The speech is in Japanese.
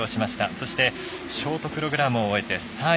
そして、ショートプログラムを終えて３位。